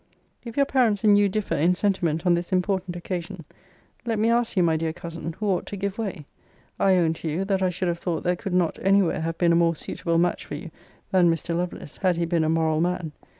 If your parents and you differ in sentiment on this important occasion, let me ask you, my dear cousin, who ought to give way? I own to you, that I should have thought there could not any where have been a more suitable match for you than Mr. Lovelace, had he been a moral man.